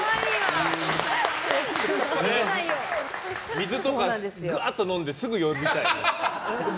水とか、がーっと飲んですぐ呼びたい。